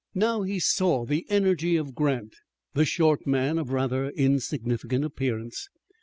Now he saw the energy of Grant, the short man of rather insignificant appearance.